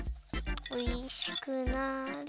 おいしくなれ。